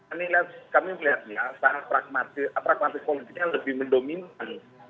ini lihat kami lihat nih saat pragmatik pragmatik politiknya lebih mendominan